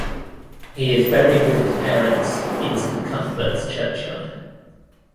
He is buried with his parents in St Cuthberts Churchyard.